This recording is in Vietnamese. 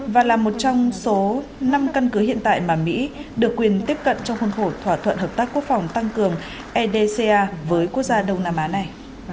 và là một trong số năm căn cứ hiện tại mà mỹ được quyền tiếp cận trong khuôn khổ thỏa thuận hợp tác quốc phòng tăng cường edca với quốc gia đông nam á này